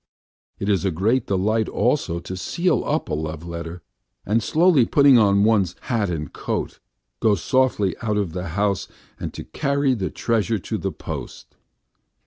It is a great delight also to seal up a love letter, and, slowly putting on one's hat and coat, to go softly out of the house and to carry the treasure to the post.